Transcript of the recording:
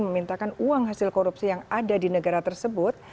memintakan uang hasil korupsi yang ada di negara tersebut